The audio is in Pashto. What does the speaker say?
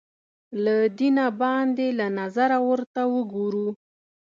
له دینه باندې له نظره ورته وګورو